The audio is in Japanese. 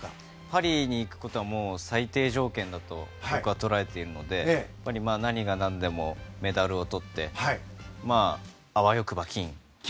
パリに行くことは最低条件だと僕は捉えているので何が何でもメダルをとってあわよくば、金。